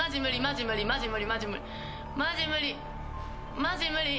マジ無理。